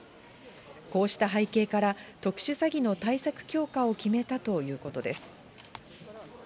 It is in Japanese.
こうした背景から、特殊詐欺の対策強化を決めたということです。